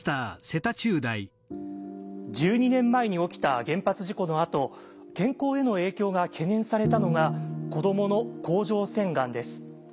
１２年前に起きた原発事故のあと健康への影響が懸念されたのが子どもの甲状腺がんです。